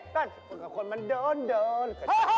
คนมันเดินเดินเดินเดิน